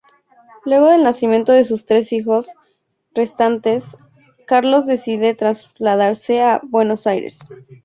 Luego del nacimiento de sus tres hijos restantes, Carlos decide trasladarse a Buenos Aires.